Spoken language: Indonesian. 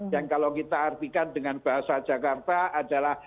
yang kalau kita artikan dengan bahasa jakarta adalah